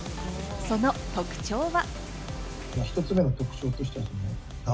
その特徴は。